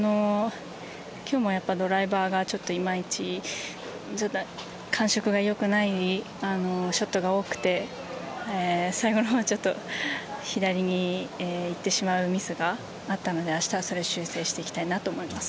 今日もドライバーがいまいち感触が良くないショットが多くて最後の方左にいってしまうミスがあったので明日はそれを修正していきたいなと思います。